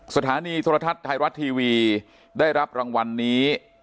สถานีโทรทัศน์ไทยรัฐทีวีได้รับรางวัลนี้